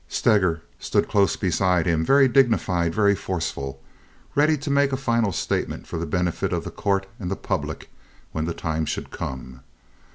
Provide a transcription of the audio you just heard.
Steger stood close beside him, very dignified, very forceful, ready to make a final statement for the benefit of the court and the public when the time should come.